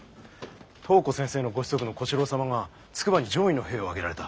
東湖先生のご子息の小四郎様が筑波に攘夷の兵を挙げられた。